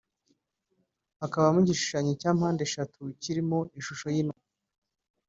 hakabamo igishushanyo cya mpande eshatu kirimo ishusho y’inuma